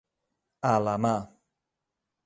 A la mà.